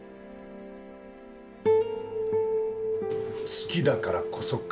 「好きだからこそ」か。